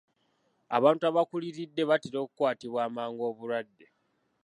Abantu abakuliridde batera okukwatibwa amangu obulwadde.